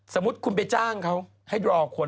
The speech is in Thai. สมมุติคุณไปจ้างเขาให้รอคน